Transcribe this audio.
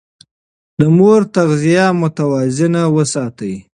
د مور تغذيه متوازنه وساتئ.